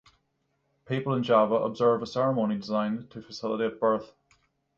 People in Java observe a ceremony designed to facilitate birth.